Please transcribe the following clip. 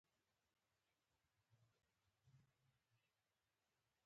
افغانان خپل خانان او مشران تر اصالتونو تېروي.